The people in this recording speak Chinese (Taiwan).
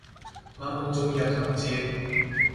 媽宮中央老街